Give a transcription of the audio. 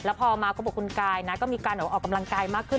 พอมาก็บอกคุณกายนะก็มีการออกกำลังกายมากขึ้น